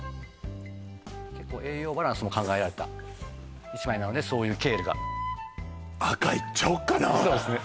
結構栄養バランスも考えられた１枚なのでそういうケールがそうですね